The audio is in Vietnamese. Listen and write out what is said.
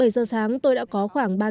bảy giờ sáng tôi đã có khoảng ba mươi lần